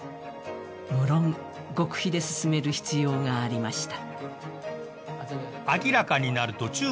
無論、極秘で進める必要がありました。